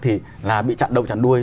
thì là bị chặn đầu chặn đuôi